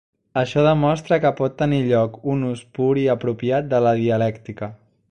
Això demostra que pot tenir lloc un ús pur i apropiat de la dialèctica.